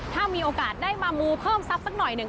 ถ้ามีโอกาสได้มามูเพิ่มทรัพย์สักหน่อยหนึ่ง